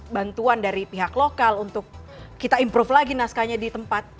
bantuan dari pihak lokal untuk kita improve lagi naskahnya di tempat